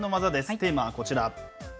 テーマはこちら。